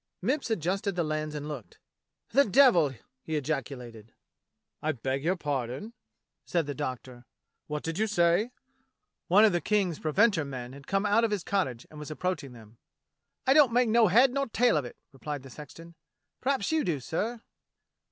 '^" Mipps adjusted the lens and looked. "The devil!" he ejaculated. "I beg your pardon.^^" said the Doctor. "What did you say .^" One of the King's preventer men had come out of his cottage and was approaching them. "I don't make no head nor tale of it," replied the sexton. "Perhaps you do, sir.